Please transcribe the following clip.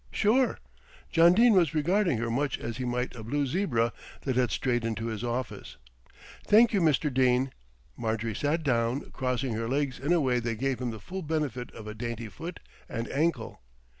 "Sure." John Dene was regarding her much as he might a blue zebra that had strayed into his office. "Thank you, Mr. Dene." Marjorie sat down, crossing her legs in a way that gave him the full benefit of a dainty foot and ankle.